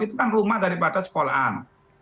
itu kan rumah daripada sekolahan